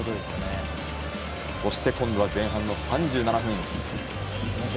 そして今度は前半の３７分。